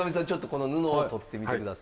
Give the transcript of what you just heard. この布を取ってみてください。